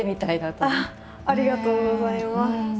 ありがとうございます。